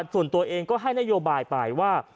ส่วนตัวเองก็ให้นโยบายไปว่า